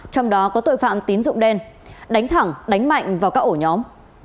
trong đó có tội phạm tín dụng đen đánh thẳng đánh mạnh vào các ổ nhóm